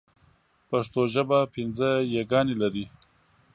پښتو ژبه پنځه ی ګانې لري.